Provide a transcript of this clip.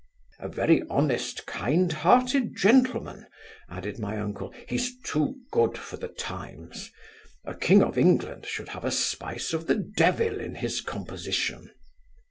'A very honest kind hearted gentleman (added my uncle) he's too good for the times. A king of England should have a spice of the devil in his composition.